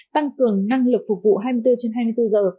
tăng cường năng lực phục vụ hai mươi bốn trên hai mươi bốn giờ